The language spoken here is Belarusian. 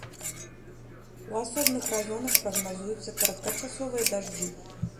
У асобных раёнах прагназуюцца кароткачасовыя дажджы.